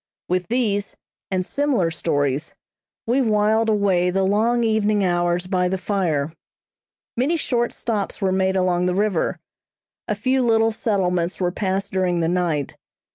With these, and similar stories, we whiled away the long evening hours by the fire. Many short stops were made along the river. A few little settlements were passed during the night.